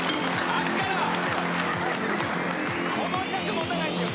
この尺持たないっすよ。